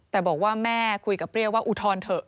แต่บอกว่าแม่คุยกับเปรี้ยวว่าอุทธรณ์เถอะ